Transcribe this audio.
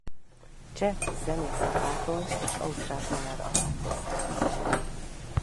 Cseh zenész apától és ausztrál tanár anyától származik.